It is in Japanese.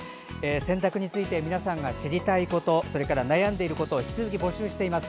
洗濯について皆さんが知りたいこと、悩んでいることを引き続き募集しています。